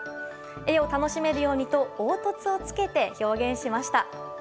絵を楽しめるようにと凹凸をつけて表現しました。